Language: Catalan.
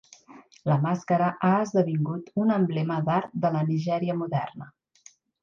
La màscara ha esdevingut un emblema d'art de la Nigèria moderna.